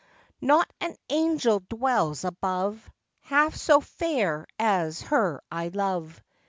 Not an angel dwells above Half so fair as her I love.